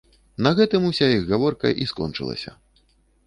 На гэтым уся іх гаворка і скончылася.